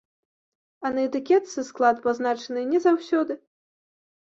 А на этыкетцы склад пазначаны не заўсёды.